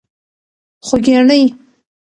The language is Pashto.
خوږیاڼۍ.